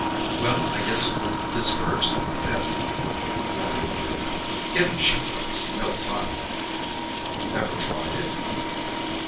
"Well, I guess it would discourage them a bit," Wally agreed. "Getting shipwrecked's no fun." "Ever tried it?"